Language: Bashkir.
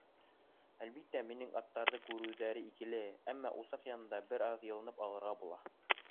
Әлбиттә, минең аттарҙы күреүҙәре икеле, әммә усаҡ янында бер аҙ йылынып алырға була.